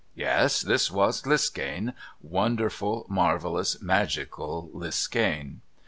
Yes, this was Liskane wonderful, marvellous, magical Liskane!